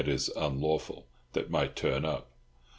e., unlawful) that might turn up.